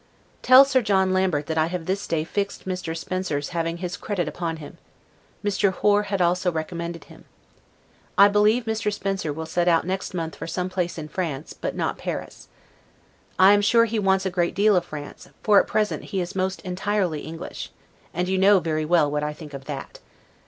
Tell Sir John Lambert that I have this day fixed Mr. Spencer's having his credit upon him; Mr. Hoare had also recommended him. I believe Mr. Spencer will set out next month for some place in France, but not Paris. I am sure he wants a great deal of France, for at present he is most entirely English: and you know very well what I think of that.